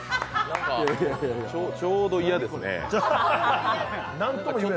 なんか、ちょうど嫌ですね。